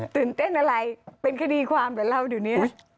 ตื่นเต้นอะไรเป็นคดีความเหมือนเราเดี๋ยวนี้